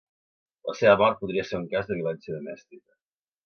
La seva mort podria ser un cas de violència domèstica.